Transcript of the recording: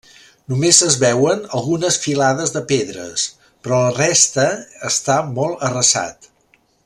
Només es veuen algunes filades de pedres, però la resta està molt arrasat.